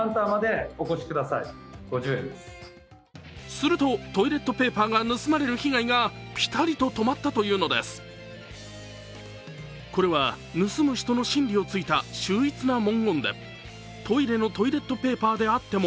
すると、トイレットペーパーが盗まれる被害がピタリと止まったというのですこれは盗む人の心理を突いた秀逸な文言でトイレのトイレットペーパーであっても